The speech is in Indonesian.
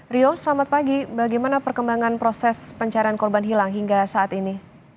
rio selamat pagi bagaimana perkembangan proses pencarian korban hilang hingga saat ini